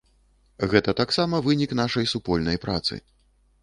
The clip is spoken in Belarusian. Гэта таксама вынік нашай супольнай працы.